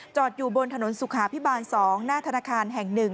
อยู่บนถนนสุขาพิบาล๒หน้าธนาคารแห่ง๑